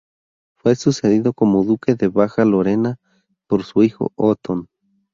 Fue sucedido como duque de Baja Lorena por su hijo Otón.